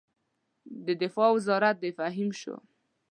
د دفاع وزارت د فهیم شو.